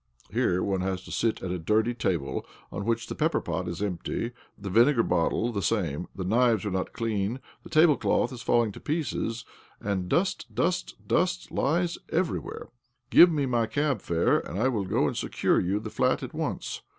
Here one has to sit at a dirty table on which the pepper pot is empty, the vinegar bottle the same, the knives are not clean, the tablecloth is falling to pieces, and dust, dust, dust, lies every where. Give me my cab fare, and I will go and secure you the flat at once.